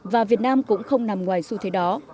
và việt nam cũng không nằm ngoài xu thế đó